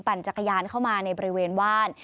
จักรยานเข้ามาในบริเวณว่าน